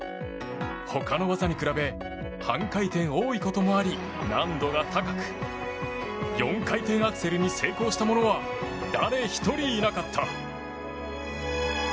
他の技に比べ半回転多いこともあり難度が高く４回転アクセルに成功した者は誰一人いなかった。